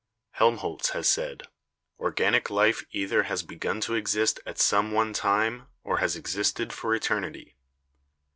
Helmholtz has said, "Organic life either has begun to exist at some one time or has existed for eternity."